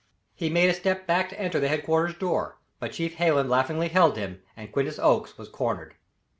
He made a step back to enter the headquarters door, but Chief Hallen laughingly held him, and Quintus Oakes was cornered.